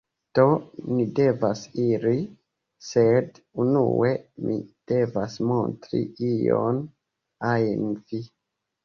Do, ni devas iri sed unue mi devas montri ion ajn vi